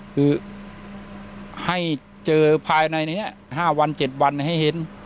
คือให้เจอภายในเนี้ยห้าวันเก็ดวันให้เห็น